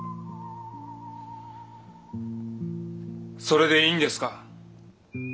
それでいいんですか？